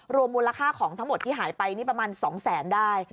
รวมมูลค่าของทั้งหมดที่หายไปนี่ประมาณ๒แสนได้